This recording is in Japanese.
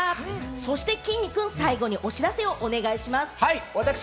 そしてきんに君、最後にお知らせお願いします。